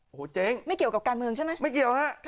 โอ้โหเจ๊งไม่เกี่ยวกับการเมืองใช่ไหมไม่เกี่ยวฮะ